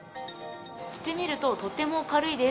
着てみると、とても軽いです。